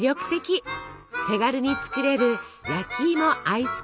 手軽に作れる焼き芋アイスクリーム。